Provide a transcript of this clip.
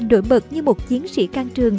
đổi bật như một chiến sĩ căng trường